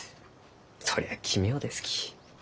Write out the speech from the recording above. そりゃあ奇妙ですき。